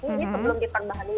ini sebelum diperbaharui